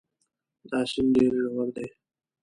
دا سیند ډېر ژور دی.